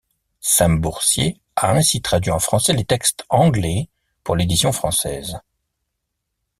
Sam Bourcier a ainsi traduit en français les textes anglais pour l'édition française.